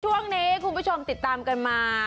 ช่วงนี้คุณผู้ชมติดตามกันมา